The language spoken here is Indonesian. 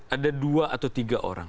ada dua atau tiga orang